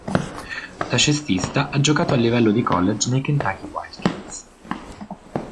Da cestista ha giocato a livello di college nei Kentucky Wildcats.